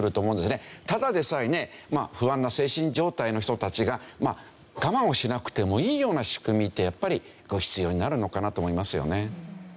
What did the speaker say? ただでさえね不安な精神状態の人たちが我慢をしなくてもいいような仕組みってやっぱり必要になるのかなと思いますよね。